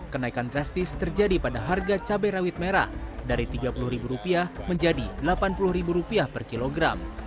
kenaikan drastis terjadi pada harga cabai rawit merah dari rp tiga puluh menjadi rp delapan puluh per kilogram